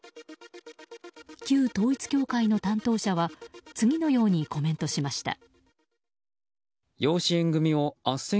旧統一教会の担当者は次のようにコメントしました。